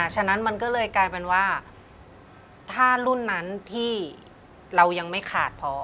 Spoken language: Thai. ฉะนั้นมันก็เลยกลายเป็นว่าถ้ารุ่นนั้นที่เรายังไม่ขาดพอ